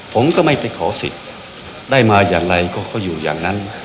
ผมก็ไม่ไปขอสิทธิ์ได้มาอย่างไรก็อยู่อย่างนั้น